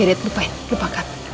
mirit lupain lupakan